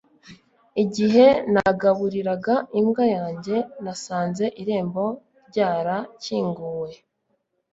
Igihe nagaburiraga imbwa yanjye nasanze irembo ryarakinguwe